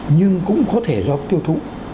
nhưng cũng có thể do tiêu thụ